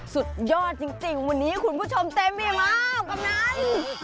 สุดยอดจริงวันนี้คุณผู้ชมเต็มที่มากำนัน